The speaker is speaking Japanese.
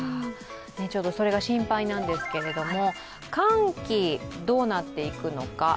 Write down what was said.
それが心配なんですけれども、寒気、どうなっていくのか。